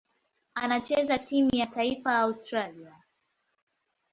Anachezea timu ya taifa ya Australia.